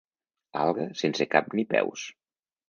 Alga sense cap ni peus.